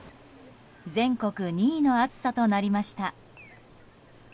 全国２位の暑さとなりました。